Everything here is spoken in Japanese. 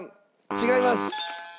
違います！